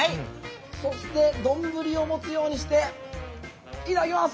そして丼を持つようにしていただきます。